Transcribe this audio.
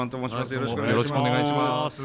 よろしくお願いします。